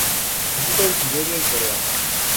Habita en Siberia y Corea.